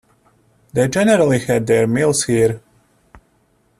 They generally had their meals here.